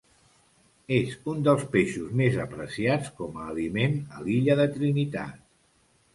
És un dels peixos més apreciats com a aliment a l'illa de Trinitat.